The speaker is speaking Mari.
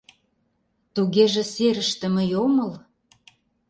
Тугеже серыште мый омыл?